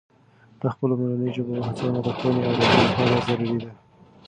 د خپلو مورنۍ ژبو هڅونه د ښوونې او روزنې لپاره ضروري ده.